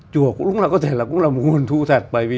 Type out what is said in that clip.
chùa cũng có thể là một nguồn thu thật